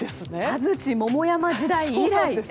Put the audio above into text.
安土桃山時代以来！